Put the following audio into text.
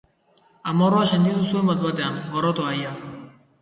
Amorrua sentitu zuen bat-batean, gorrotoa ia.